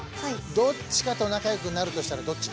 どっちかと仲良くなるとしたらどっち？